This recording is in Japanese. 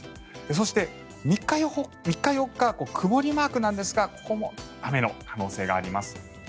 そして、３日、４日は曇りマークなんですがここも雨の可能性があります。